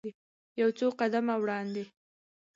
یو څو قدمه وړاندې.